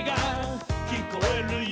「きこえるよ」